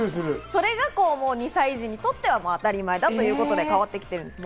それが２歳児にとっては当たり前だということで変わってきているんです。